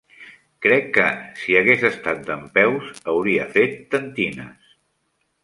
Crec que, si hagués estat dempeus, hauria fet tentines.